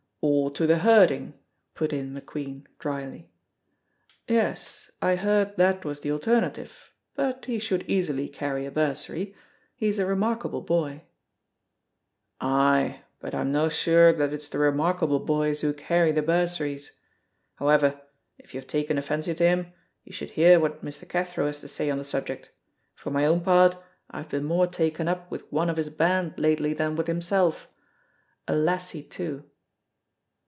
"Or to the herding," put in McQueen, dryly. "Yes, I heard that was the alternative, but he should easily carry a bursary; he is a remarkable boy." "Ay, but I'm no sure that it's the remarkable boys who carry the bursaries. However, if you have taken a fancy to him you should hear what Mr. Cathro has to say on the subject; for my own part I have been more taken up with one of his band lately than with himself a lassie, too."